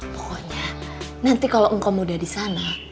pokoknya nanti kalau engkau muda di sana